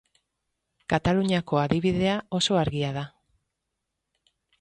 Kataluniako adibidea oso argia da.